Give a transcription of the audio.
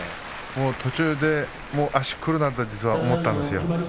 もう途中で足がくるなと実は思ったんですよ。